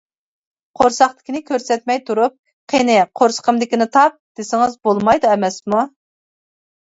قورساقتىكىنى كۆرسەتمەي تۇرۇپ، قېنى قورسىقىمدىكىنى تاپ دېسىڭىز بولمايدۇ ئەمەسمۇ.